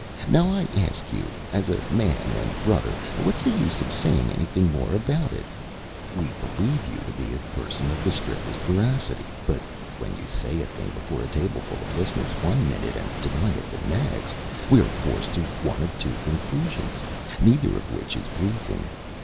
Now I ask you, as a man and brother, what's the use of saying anything more about it? We believe you to be a person of the strictest veracity, but when you say a thing before a tableful of listeners one minute, and deny it the next, we are forced to one of two conclusions, neither of which is pleasing.